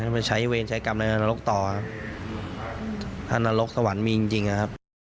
ให้มันใช้เวรใช้กรรมในนรกต่อถ้านรกสวรรค์มีจริงครับ